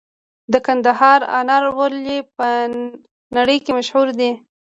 د کندهار انار ولې په نړۍ کې مشهور دي؟